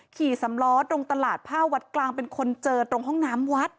ขี่สำล้อตรงตลาดผ้าวัดกลางเป็นคนเจอตรงห้องน้ำวัด